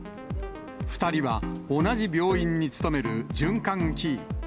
２人は同じ病院に勤める循環器医。